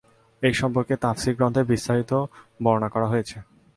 এই সম্পর্কে তাফসীর গ্রন্থে বিস্তারিত বর্ণনা করা হয়েছে।